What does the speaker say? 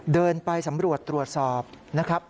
เดินไปสำรวจตรวจสอบนะครับ